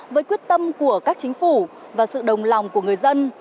với quyết tâm của các chính phủ và sự đồng lòng của người dân